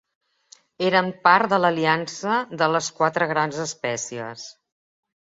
Eren part de l'Aliança de les Quatre Grans Espècies.